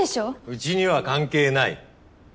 うちには関係ない。